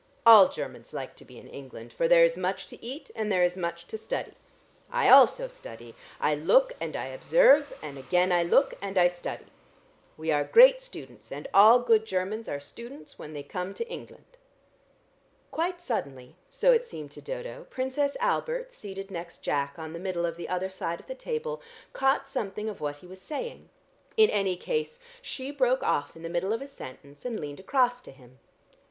All Chermans like to be in England, for there is much to eat and there is much to study. I also study; I look and I observe and again I look and I study. We are great students and all good Chermans are students when they come to England." Quite suddenly, so it seemed to Dodo, Princess Albert, seated next Jack on the middle of the other side of the table, caught something of what he was saying. In any case, she broke off in the middle of a sentence and leaned across to him.